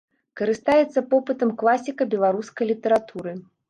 Карыстаецца попытам класіка беларускай літаратуры.